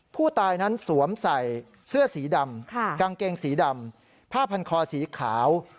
ผู้ตายนั้นสวมใส่เสื้อสีดำกางเกงสีดำผ้าพันคอสีขาว